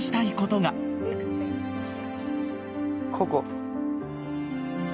ここ。